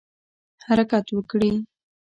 حرکت وکړي.